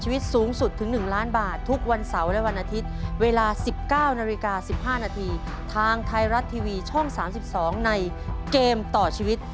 เวลา๑๙๑๕นทางไทยรัฐทีวีช่อง๓๒ในเกมต่อชีวิต